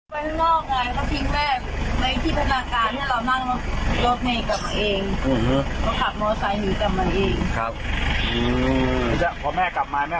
ไปข้างนอกไงก็ทิ้งแม่ในที่พนักการณ์เนี่ยเรานั่งรถแม่กลับมาเอง